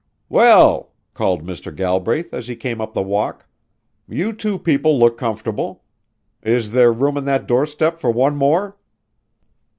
"Well," called Mr. Galbraith as he came up the walk, "you two people look comfortable. Is there room on that doorstep for one more?"